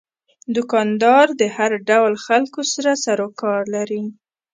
دوکاندار د هر ډول خلکو سره سروکار لري.